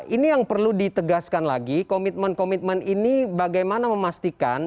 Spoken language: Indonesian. ini yang perlu ditegaskan lagi komitmen komitmen ini bagaimana memastikan